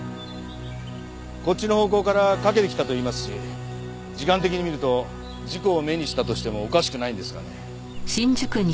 こっちの方向から駆けてきたと言いますし時間的に見ると事故を目にしたとしてもおかしくないんですがね。